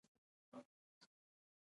افغانستان کې د آب وهوا د پرمختګ هڅې روانې دي.